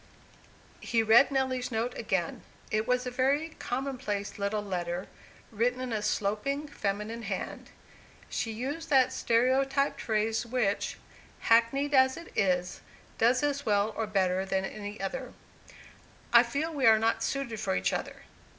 He read Nelly's note again. It was a very commonplace little letter, written in a sloping, feminine hand. She used that stereotyped phrase which, hackneyed as it is, does as well or better than any other, "I feel we are not suited for each other."